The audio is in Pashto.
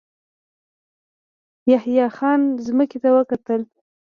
يحيی خان ځمکې ته وکتل.